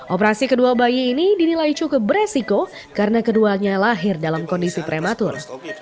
operasi kedua bayi ini dinilai cukup beresiko karena keduanya lahir dalam kondisi prematur